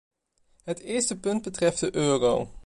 Het is eerste punt betreft de euro.